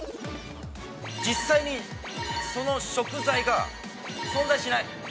◆実際にその食材が存在しない。